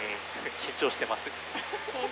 緊張してます。